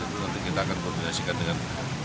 nanti kita akan koordinasikan dengan